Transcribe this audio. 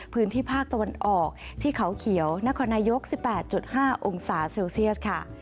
พื้นที่ภาคตะวันออกที่เขาเขียวนครนายก๑๘๕องศาเซลเซียสค่ะ